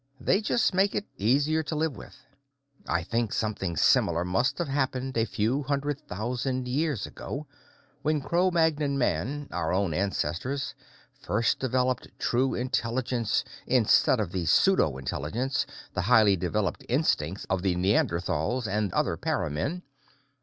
They just make it easier to live with. "I think something similar must have happened a few hundred thousand years ago, when Cro Magnon man, our own ancestors, first developed true intelligence instead of the pseudo intelligence, the highly developed instincts, of the Neanderthals and other para men.